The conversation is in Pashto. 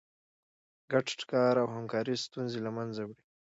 ګډ کار او همکاري ستونزې له منځه وړي.